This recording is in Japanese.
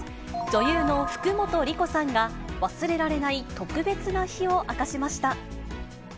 女優の福本莉子さんが、忘れられない特別な日を明かしました。